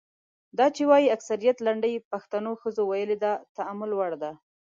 دا چې وايي اکثریت لنډۍ پښتنو ښځو ویلي د تامل وړ ده.